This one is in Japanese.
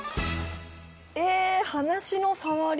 え話のさわり？